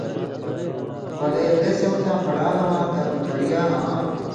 ولے بے سېوں تاں پڑان٘لہ واں دن وڑیا آں